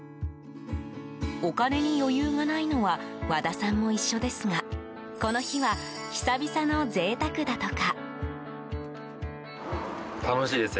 お金に余裕がないのは和田さんも一緒ですがこの日は、久々の贅沢だとか。